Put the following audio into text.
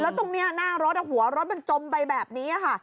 แล้วตรงนี้หน้ารถหัวรถมันจมไปแบบนี้ค่ะ